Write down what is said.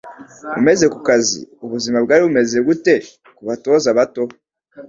Umaze kukazi, ubuzima bwari bumeze gute kubatoza bato?